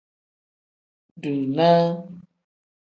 Dunaa.